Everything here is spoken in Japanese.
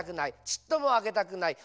ちっともあけたくない。